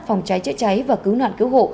phòng cháy chữa cháy và cứu nạn cứu hộ